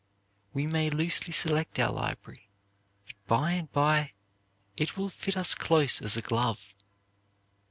We may loosely select our library, but by and by it will fit us close as a glove.